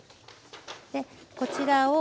でこちらを。